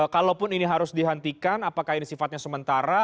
kalaupun ini harus dihentikan apakah ini sifatnya sementara